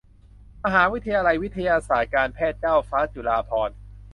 วิทยาลัยวิทยาศาสตร์การแพทย์เจ้าฟ้าจุฬาภรณ์